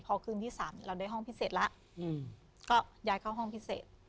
พอคืนที่๓เราได้ห้องพิเศษแล้วก็ย้ายเข้าห้องพิเศษ